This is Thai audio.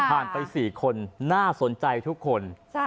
ไป๔คนน่าสนใจทุกคน